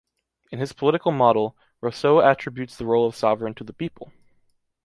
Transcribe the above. In his political model, Rousseau attributes the role of sovereign to the people.